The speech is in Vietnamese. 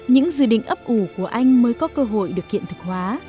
năm hai nghìn một mươi năm những dự định ấp ủ của anh mới có cơ hội được kiện thực hóa